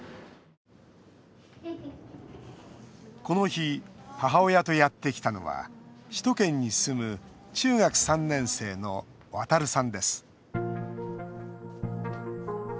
この日、母親とやってきたのは首都圏に住む中学３年生のわたるさんです。